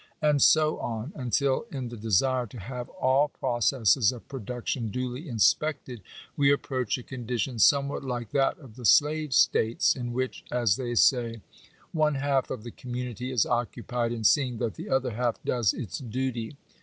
And so on, until, in the desire to have all processes of production duly inspected, we approach a condition somewhat like that of the slave states, in which, as they say, " one half of the community is occupied in seeing that the other half does its duty."